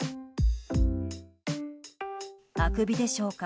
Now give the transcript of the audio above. あくびでしょうか。